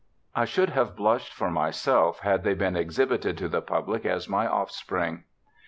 I should have blushed for myself had they been exhibited to the public as my offspring.'